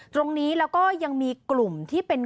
ตรงนี้แล้วก็ยังมีกลุ่มที่เป็น